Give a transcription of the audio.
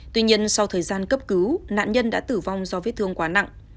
tuy nhiên sau thời gian cấp cứu nạn nhân đã tử vong do vết thương quá nặng